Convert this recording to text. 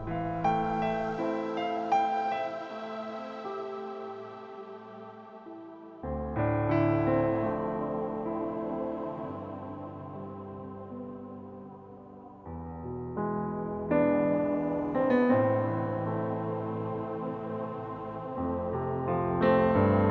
itu sentralah kau